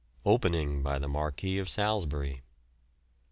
OPENING BY THE MARQUIS OF SALISBURY.